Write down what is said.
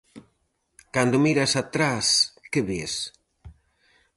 Cando miras atrás, que ves?